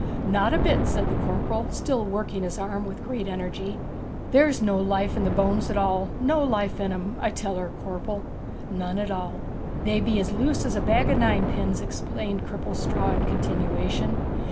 'Not a bit,' said the corporal, still working his arm with great energy. 'There's no life in the bones at all. No life in 'em, I tell her, corpel!' 'None at all.' 'They be as loose as a bag of ninepins,' explained Cripplestraw in continuation.